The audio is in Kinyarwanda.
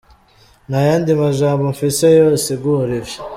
"Nta yandi majambo mfise yosigura ivyo.